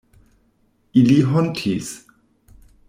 Ili hontis.